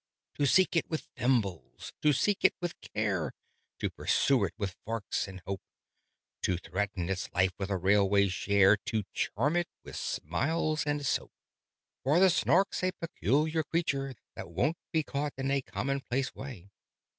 "To seek it with thimbles, to seek it with care; To pursue it with forks and hope; To threaten its life with a railway share; To charm it with smiles and soap! "For the Snark's a peculiar creature, that won't Be caught in a commonplace way.